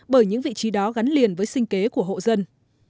bởi những vị trí đó gắn liền với sinh kế của hộ dân